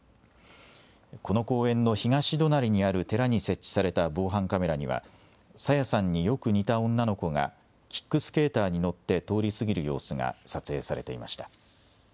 この公園の東隣にある寺に設置された防犯カメラには、朝芽さんによく似た女の子が、キックスケーターに乗って通り過ぎる様子が撮影されていました。